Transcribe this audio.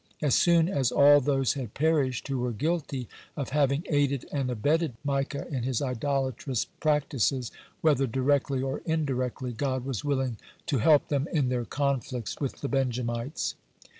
As soon as all those had perished who were guilty of having aided and abetted Micah in his idolatrous practices, whether directly or indirectly, God was willing to help them in their conflicts with the Benjamites.